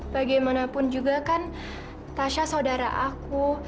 bagaimanapun juga kan tasha saudara aku